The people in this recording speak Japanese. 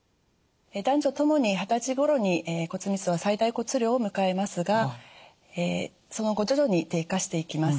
男女ともに二十歳ごろに骨密度が最大骨量を迎えますがその後徐々に低下していきます。